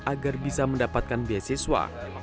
agar bisa mendapatkan beasiswa